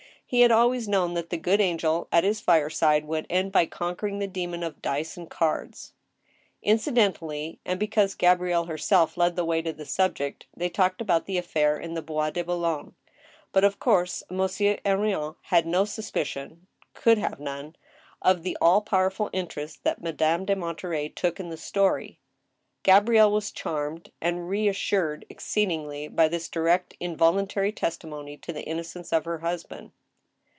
He had always known that the good angel at his fireside would end by conquering the demon of dice and cards. Incidentally, and because Gabrielle herself led the way to the subject, they talked about the affair in the Bois de Boulogne ; but 172 THE STEEL HAMMER. of course Monsieur Henrion had no suspicion (could have none) of the all powerful interest that Madame de Monterey took in the story. Gabrielle was charmed, and reassured exceedingly, by this direct involuntary testimony to the innocence of her husband.